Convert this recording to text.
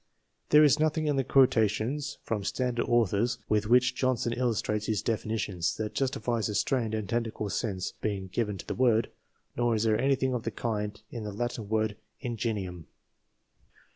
There is nothing in the quotations from standard authors with which Johnson illustrates his definitions, that justifies a strained and technical sense being given to the word, nor is there anything of the kind in the Latin word ingenium.